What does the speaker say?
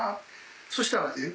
そしたらね